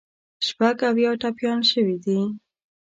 شپږ اویا ټپیان شوي دي.